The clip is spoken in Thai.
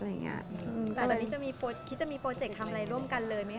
คิดจะมีโปรเจกต์ทำอะไรร่วมกันเลยไหมคะ